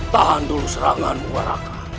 tahan dulu seranganmu waraka